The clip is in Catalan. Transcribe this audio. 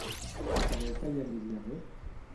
Creu que li aniria bé?